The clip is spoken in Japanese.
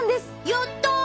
やった！